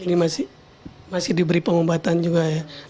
ini masih diberi pengobatan juga ya